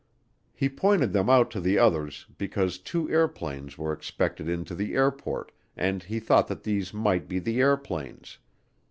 He pointed them out to the others because two airplanes were expected into the airport, and he thought that these might be the airplanes.